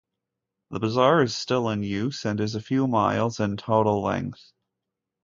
The bazaar is still in use and is a few miles in total length.